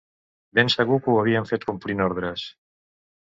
Ben segur que ho havien fet complint ordres